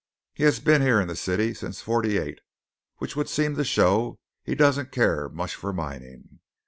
He has been here in the city since '48 which would seem to show he doesn't care much for mining.